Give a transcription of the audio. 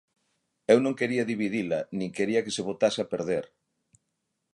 Eu non quería dividila nin quería que se botase a perder.